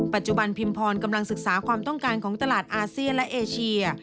ปัจจุบันพิมพรกำลังศึกษาความต้องการของตลาดอาเซียนและเอเชีย